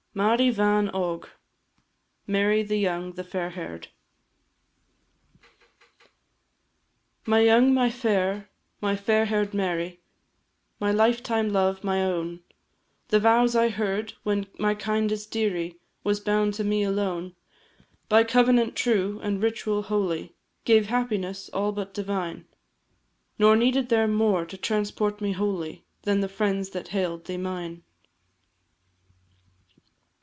MAIRI BHAN OG. MARY, THE YOUNG, THE FAIR HAIR'D. My young, my fair, my fair hair'd Mary, My life time love, my own! The vows I heard, when my kindest dearie Was bound to me alone, By covenant true, and ritual holy, Gave happiness all but divine; Nor needed there more to transport me wholly, Than the friends that hail'd thee mine.